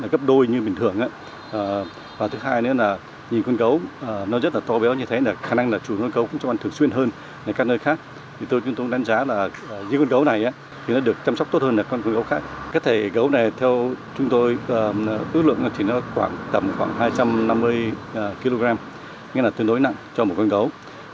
cá thể gấu này theo chúng tôi ước lượng tầm khoảng hai trăm năm mươi kg tương đối nặng cho một con gấu